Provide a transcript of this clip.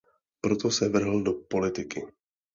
Proto se vrhl do politiky.